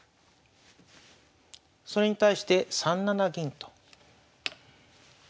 それに対して３七銀と。